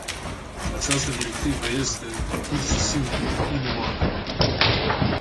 Această directivă este, pur și simplu, inumană.